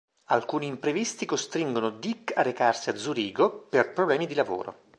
Alcuni imprevisti costringono Dick a recarsi a Zurigo per problemi di lavoro.